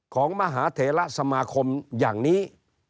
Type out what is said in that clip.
ของมหาเถระสมาคมอย่างนี้